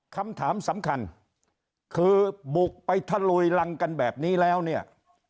คำถามสำคัญคือบุกไปทะลุยรังกันแบบนี้แล้วเนี่ย